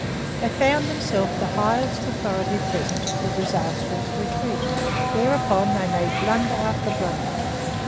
They found themselves the highest authority present with a disastrous retreat. Thereupon they made blunder after blunder.